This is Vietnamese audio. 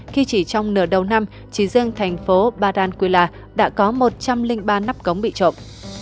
khi chỉ trong nửa đầu năm chỉ riêng thành phố barancula đã có một trăm linh ba nắp cống bị trộm